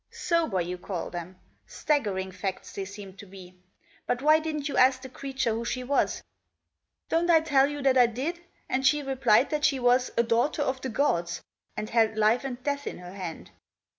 "Sober, you call them? Staggering facts they teem to me. But why didn't you ask the creature who she was ?"" Don't I tell you that I did ? And she replied that she was a daughter of the gods, and held life and death fn her hand."